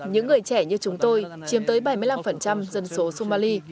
những người trẻ như chúng tôi chiếm tới bảy mươi năm dân số somali